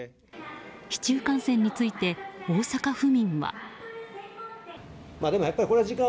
市中感染について、大阪府民は。